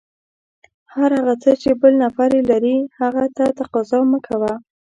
هر هغه څه چې بل نفر یې لري، هغه ته تقاضا مه کوه.